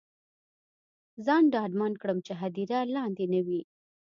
ځان ډاډمن کړم چې هدیره لاندې نه وي.